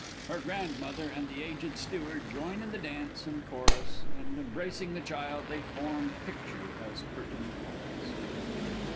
her Grandmother and the aged Steward joining in the dance and chorus, and embracing the child, to form picture as Curtain falls_.